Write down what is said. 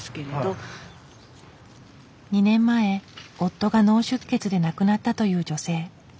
２年前夫が脳出血で亡くなったという女性。